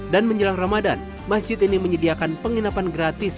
dan menjelang ramadan masjid ini menyediakan penginapan gratis